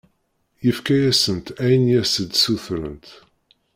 Yefka-asent ayen i as-d-ssutrent.